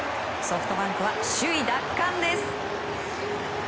ソフトバンクは首位奪還です。